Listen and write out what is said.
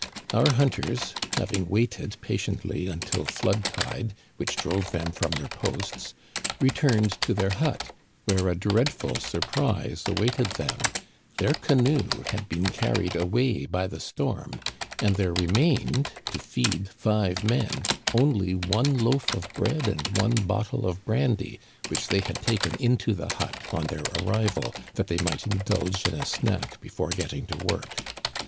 Our hunters, having waited patiently until flood tide, which drove them from their posts, returned to their hut, where a dreadful surprise awaited them ; their canoe had been carried away by the storm, and there remained, to feed five men, only one loaf of bread and one bottle of brandy, which they had taken into the hut on their arrival, that they might indulge in a snack before get ting to work.